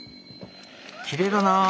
きれいだなあ。